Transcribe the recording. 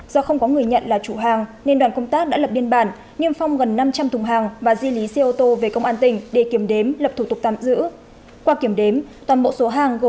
do không có người nhận là chủ hàng nên đoàn công tác đã lập biên bản niêm phong gần năm trăm linh thùng hàng và di lý xe ô tô về công an tỉnh để kiểm đếm lập thủ tục tạm giữ